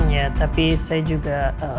ya tapi saya juga